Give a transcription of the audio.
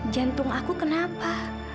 jantung aku kenapa